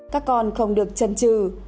các con không được chân trừ